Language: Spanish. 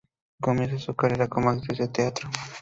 Comienza su carrera como actriz de teatro.